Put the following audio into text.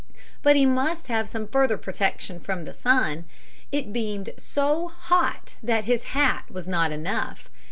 But he must have some further protection from the sun. It beamed so hot that his hat was not enough.